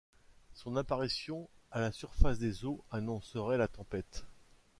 Son apparition à la surface des eaux annoncerait la tempête.